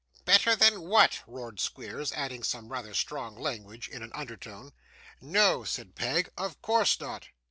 'Better than what?' roared Squeers, adding some rather strong language in an undertone. 'No,' said Peg, 'of course not.